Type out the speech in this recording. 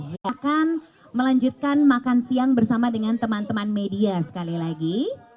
saya akan melanjutkan makan siang bersama dengan teman teman media sekali lagi